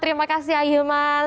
terima kasih a'ilman